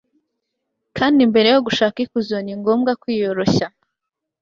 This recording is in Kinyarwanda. kandi mbere yo gushaka ikuzo, ni ngombwa kwiyoroshya